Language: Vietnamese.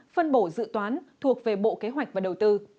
phân bổ dự toán thuộc về bộ kế hoạch và đầu tư